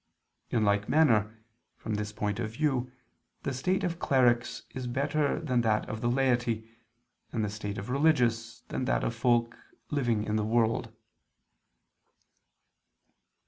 In like manner, from this point of view, the state of clerics is better than that of the laity, and the state of religious than that of folk living in the world.